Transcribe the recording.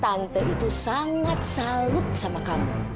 tante itu sangat salut sama kamu